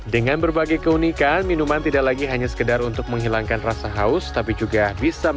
dengan berbagai keunikan minuman tidak lagi hanya sekedar untuk menghilangkan rasa haus